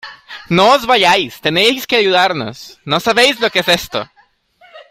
¡ No os vayáis! Tenéis que ayudarnos. no sabéis lo que es esto .